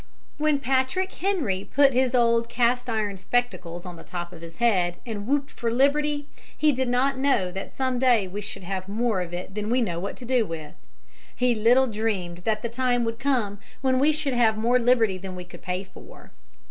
When Patrick Henry put his old cast iron spectacles on the top of his head and whooped for liberty, he did not know that some day we should have more of it than we knew what to do with. He little dreamed that the time would come when we should have more liberty than we could pay for.